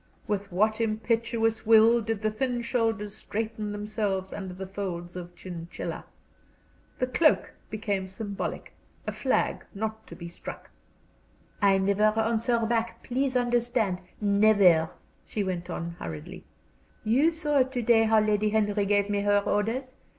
With what imperious will did the thin shoulders straighten themselves under the folds of chinchilla! The cloak became symbolic, a flag not to be struck. "I never answer back, please understand never," she went on, hurriedly. "You saw to day how Lady Henry gave me her orders.